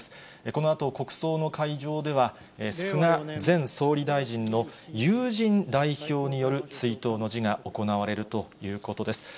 このあと、国葬の会場では、菅前総理大臣の友人代表による追悼の辞が行われるということです。